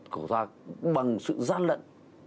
thủ khoa bằng sự gian lận